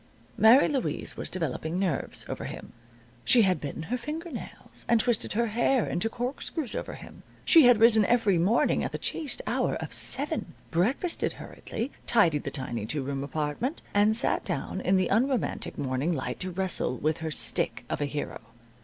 Mary Louise was developing nerves over him. She had bitten her finger nails, and twisted her hair into corkscrews over him. She had risen every morning at the chaste hour of seven, breakfasted hurriedly, tidied the tiny two room apartment, and sat down in the unromantic morning light to wrestle with her stick of a hero.